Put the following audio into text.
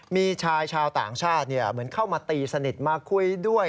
มีชายชาวต่างชาติเหมือนเข้ามาตีสนิทมาคุยด้วย